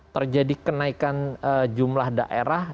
terjadi kenaikan jumlah daerah